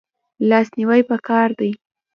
لاس نیوی کول پکار دي